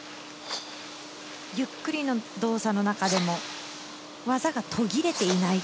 ゆっくりの動作の中でも技が途切れていない。